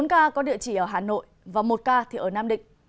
bốn ca có địa chỉ ở hà nội và một ca thì ở nam định